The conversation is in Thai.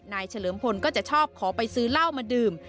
เฉลิมพลก็จะชอบขอไปซื้อเหล้ามาดื่ม